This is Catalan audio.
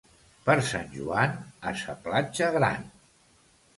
Per Sant Joan, a sa platja gran.